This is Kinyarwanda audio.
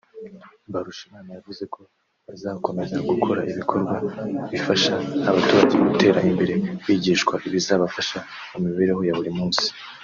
Mbarushimana yavuze ko bazakomeza gukora ibikorwa bifasha abaturage gutera imbere bigishwa ibizabafasha mu mibereho ya buri munsi